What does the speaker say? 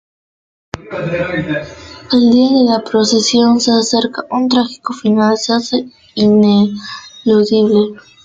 El día de la procesión se acerca, un trágico final se hace ineludible.